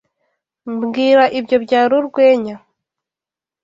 Mbwira ibyo byari urwenya! .